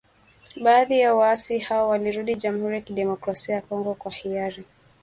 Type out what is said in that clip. Baadhi ya waasi hao walirudi Jamhuri ya kidemokrasia ya Kongo kwa hiari.